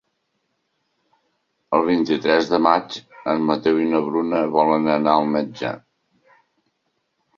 El vint-i-tres de maig en Mateu i na Bruna volen anar al metge.